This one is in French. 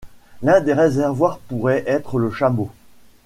L'un des réservoirs pourrait être le chameau.